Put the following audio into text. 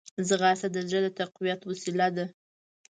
ځغاسته د زړه د تقویت وسیله ده